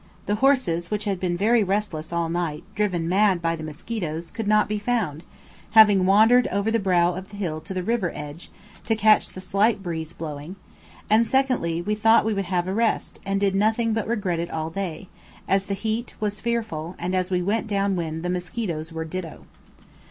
The horses which had been very restless all night, driven mad by the mosquitoes, could not be found, having wandered over the brow of the hill to the river edge, to catch the slight breeze blowing; and secondly we thought we would have a rest, and did nothing but regret it all day, as the heat, was fearful, and as we went down wind the mosquitoes were ditto.